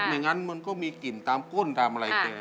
อย่างนั้นมันก็มีกลิ่นตามก้นตามอะไรแก